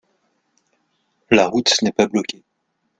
La route n’est pas bloquée.